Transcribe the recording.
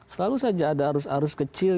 selalu saja ada arus arus kecil